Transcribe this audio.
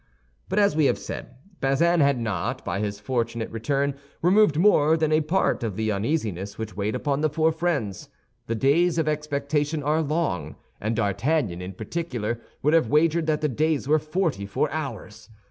But, as we have said, Bazin had not, by his fortunate return, removed more than a part of the uneasiness which weighed upon the four friends. The days of expectation are long, and D'Artagnan, in particular, would have wagered that the days were forty four hours.